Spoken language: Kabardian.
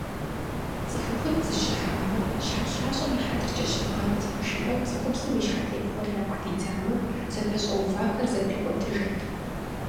ЦӀыхухъуитӀ зэщыхьамэ «ЩхьэлъащӀэм и хьэтыркӀэ щывгъэт» жиӀэу, цӀыхубзым и щхьэтепхъуэр яку дидзамэ, зэпэщӀэувахэр зэпикӀуэтыжырт.